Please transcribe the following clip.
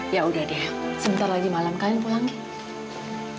ya udah dia sebentar lagi malam kalian pulangin